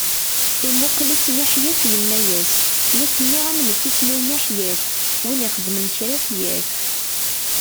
Imuqel-itt Miḥyaf yenna-as: Yak nniɣ-am nekk isem-iw Miḥyaf, win ixedmen kra ad t-yaf.